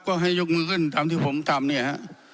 ก็ให้ยกมือขึ้นตามที่ผมทำเนี่ยฮะ